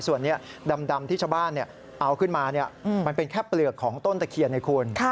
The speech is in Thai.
ส่วนนี้ดำที่ชาวบ้านเอาขึ้นมามันเป็นแค่เปลือกของต้นตะเคียนไงคุณ